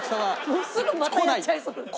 もうすぐまたやっちゃいそう。